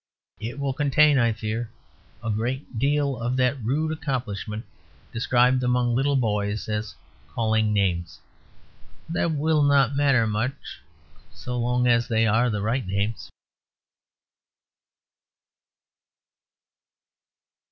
It will contain, I fear, a great deal of that rude accomplishment described among little boys as "calling names"; but that will not matter much so long as they are the right names.